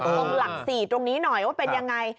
ตรงหลัก๔ตรงนี้หน่อยว่าเป็นยังไง